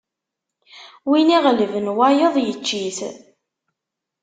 Win iɣelben wayeḍ, yečč-it!